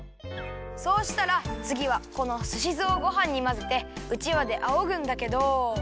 そうしたらつぎはこのすしずをごはんにまぜてうちわであおぐんだけど。